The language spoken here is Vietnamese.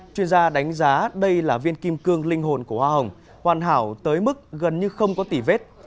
chuyên gia đánh giá đây là viên kim cương linh hồn của hoa hồng hoàn hảo tới mức gần như không có tỷ vết